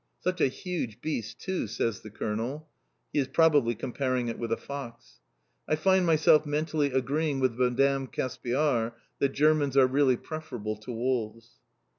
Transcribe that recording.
"Such a huge beast too!" says the Colonel. He is probably comparing it with a fox. I find myself mentally agreeing with Madame Caspiar that Germans are really preferable to wolves.